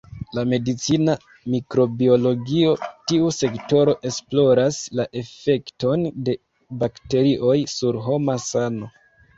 La medicina mikrobiologio: Tiu sektoro esploras la efekton de bakterioj sur homa sano.